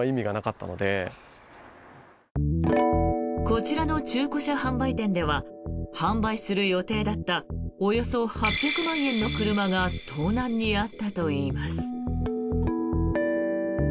こちらの中古車販売店では販売する予定だったおよそ８００万円の車が盗難に遭ったといいます。